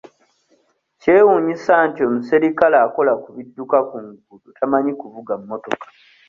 Kyewuunyisa nti omuserikale akola ku bidduka ku nguudo tamanyi kuvuga mmotoka!